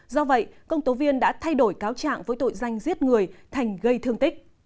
do vậy công tố viên đã thay đổi cáo trạng với tội danh giết người thành gây thương tích